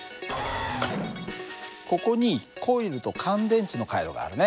ここにコイルと乾電池の回路があるね。